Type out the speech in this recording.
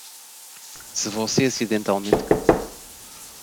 Se você acidentalmente quebrou